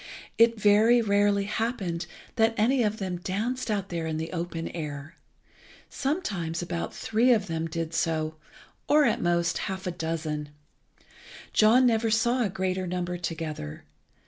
It very rarely happened that any of them danced out there in the open air. Sometimes about three of them did so, or, at the most, half a dozen. John never saw a greater number together.